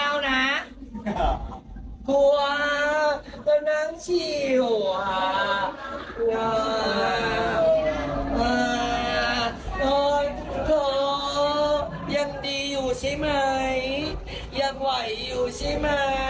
กลัวตอนนั้นเชี่ยวตอนก็ยังดีอยู่ใช่ไหมยังไหวอยู่ใช่ไหม